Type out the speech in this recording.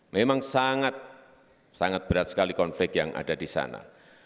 memang sangat sangat berat sekali konflik yang ada di sana